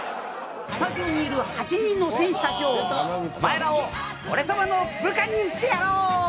「スタジオにいる８人の戦士たちよお前らを俺様の部下にしてやろう！